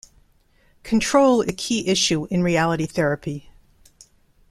Control is a key issue in reality therapy.